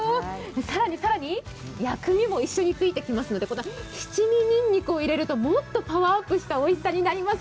更に更に薬味も一緒についてきますので、ひっつみにんにくを入れるともっとパワーアップしたおいしさになります。